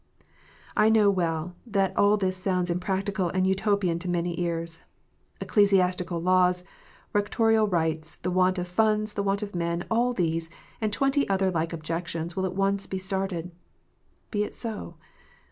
I know well that all this sounds impracticable and Utopian to many ears. Ecclesiastical laws, rectorial rights, the want of funds, the want of men, all these, and twenty other like objec tions, will at once be started. Be it so.